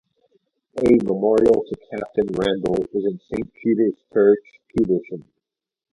A memorial to Captain Randle is in Saint Peter's Church, Petersham.